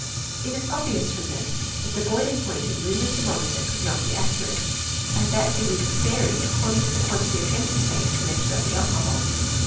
It is ob vious from this, that the boiling point in Reaumur's thermometer could not be accurate, and that it would vary, according to the quantity of empty space left above the alcohol.